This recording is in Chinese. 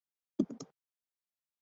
玛罕巴的神秘生物。